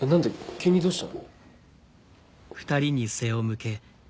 急にどうした？